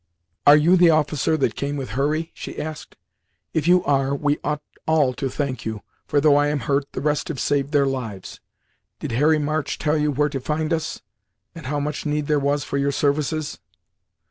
"Are you the officer that came with Hurry?" she asked. "If you are, we ought all to thank you, for, though I am hurt, the rest have saved their lives. Did Harry March tell you, where to find us, and how much need there was for your services?"